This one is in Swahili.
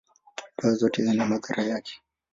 dawa zote zina madhara yake.